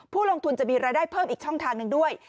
ลงทุนจะมีรายได้เพิ่มอีกช่องทางหนึ่งด้วย